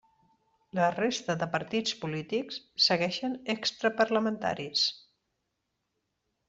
La resta de partits polítics segueixen extraparlamentaris.